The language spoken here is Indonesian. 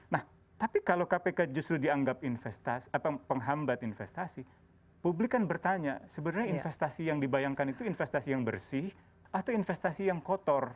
nah tapi kalau kpk justru dianggap penghambat investasi publik kan bertanya sebenarnya investasi yang dibayangkan itu investasi yang bersih atau investasi yang kotor